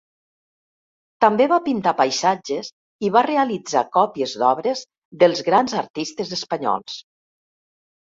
També va pintar paisatges i va realitzar còpies d'obres dels grans artistes espanyols.